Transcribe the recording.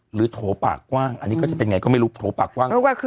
หรือโถปากกว้างอันนี้ก็จะเป็นไงก็ไม่รู้